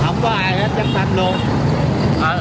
không có ai hết chắc thanh luôn